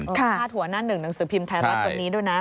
พาดหัวหน้าหนึ่งหนังสือพิมพ์ไทยรัฐวันนี้ด้วยนะ